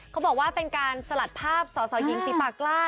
เขาบอกว่าเป็นการสลัดภาพสอสอหญิงฝีปากกล้า